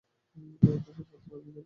একমাত্র আমিই দেখবো।